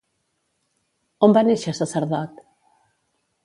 On va néixer Sacerdot?